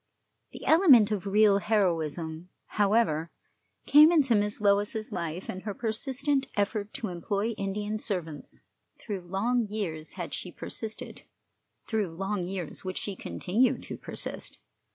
The element of real heroism, however, came into Miss Lois's life in her persistent effort to employ Indian servants. Through long years had she persisted, through long years would she continue to persist.